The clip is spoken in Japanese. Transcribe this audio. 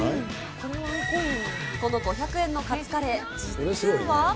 この５００円のカツカレー、実は。